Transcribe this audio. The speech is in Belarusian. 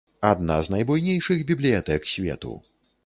Адна з найбуйнейшых бібліятэк свету.